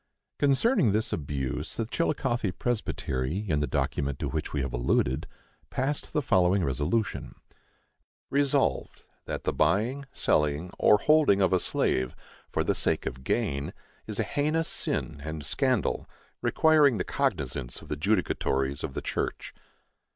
Concerning this abuse the Chillicothe Presbytery, in the document to which we have alluded, passed the following resolution: Resolved, That the buying, selling, or holding of a slave, for the sake of gain, is a heinous sin and scandal, requiring the cognizance of the judicatories of the church.